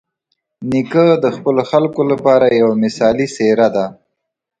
نیکه د خپلو خلکو لپاره یوه مثالي څېره ده.